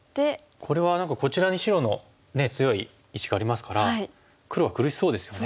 これは何かこちらに白の強い石がありますから黒は苦しそうですよね。